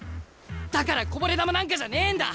だからこぼれ球なんかじゃねえんだ。